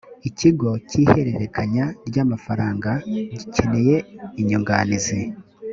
ikigo cy’ihererekanya ry’amafaranga gikeneye inyunganizi